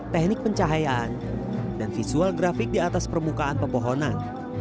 teknik pencahayaan dan visual grafik di atas permukaan pepohonan